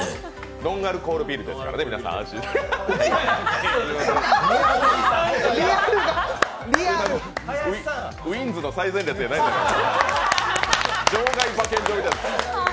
ノンアルコールビールですからね皆さん安心してウィンズの最前列じゃないんだから。